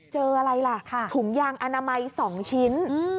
เจออะไรล่ะถุงยางอนามัย๒ชิ้น